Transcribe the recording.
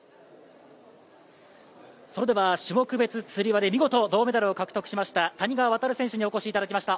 それでは種目別つり輪で見事銅メダルを獲得しました谷川航選手にお越しいただきました。